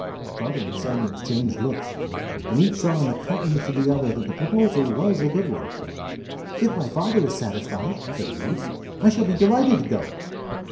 Father and son exchanged looks, and each saw in the countenance of the other that the proposal was a good one. "If my father is satisfied," said the youth, "I shall be delighted to go."